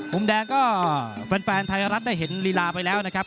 มุมแดงก็แฟนไทยรัฐได้เห็นลีลาไปแล้วนะครับ